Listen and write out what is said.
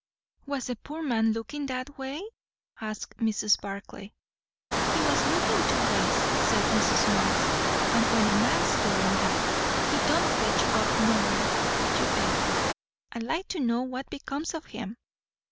"Was the poor man looking that way?" asked Mrs. Barclay. "He was lookin' two ways," said Mrs. Marx; "and when a man's doin' that, he don't fetch up nowhere, you bet. I'd like to know what becomes of him!